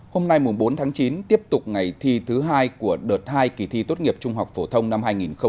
hôm nay bốn tháng chín tiếp tục ngày thi thứ hai của đợt hai kỳ thi tốt nghiệp trung học phổ thông năm hai nghìn hai mươi